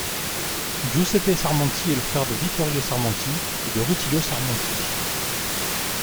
Giuseppe Sermonti est le frère de Vittorio Sermonti et de Rutilio Sermonti.